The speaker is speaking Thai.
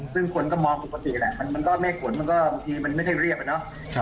ซึ่งคนก็มองปกติมันมารอบเมฆฝนมันไม่ใช่เรียบมานก